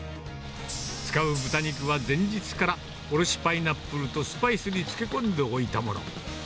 使う豚肉は前日から、おろしパイナップルとスパイスに漬け込んでおいたもの。